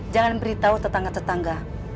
jangan beritahu tetangga tetangga